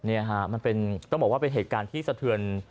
นี่ฮะมันต้องบอกว่าเป็นเหตุการณ์ที่สะเทือน